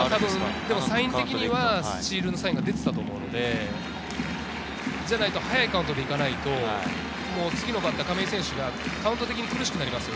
サイン的にはスチールのサインが出ていたと思うので、そうじゃないと早いカウントでいかないと、次のバッター、亀井選手がカウント的に苦しくなります。